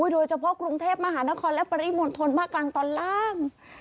โดยเฉพาะกรุงเทพมหานครและปริมณฑลภาคกลางตอนล่าง